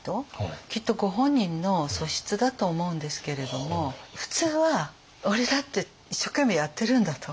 きっとご本人の素質だと思うんですけれども普通は「俺だって一生懸命やってるんだ！」と。